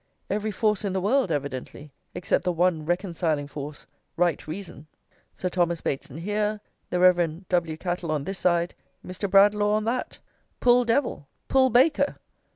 Every force in the world, evidently, except the one reconciling force, right reason! Sir Thomas Bateson here, the Rev. W. Cattle on this side, Mr. Bradlaugh on that! pull devil, pull baker!